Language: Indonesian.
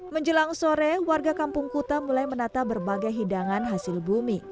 menjelang sore warga kampung kuta mulai menata berbagai hidangan hasil bumi